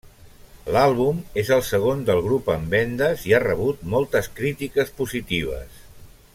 L'àlbum és el segon del grup en vendes i ha rebut moltes crítiques positives.